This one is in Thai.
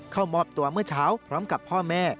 เข้ามอบตัวเมื่อเช้าพร้อมกับพ่อแม่